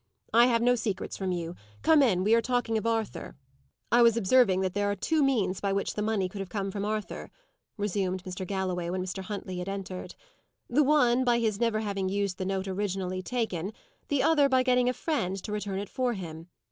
"I have no secrets from you. Come in. We are talking of Arthur." "I was observing that there are two means by which the money could have come from Arthur," resumed Mr. Galloway, when Mr. Huntley had entered. "The one, by his never having used the note originally taken; the other, by getting a friend to return it for him.